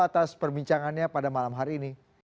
atas perbincangannya pada malam hari ini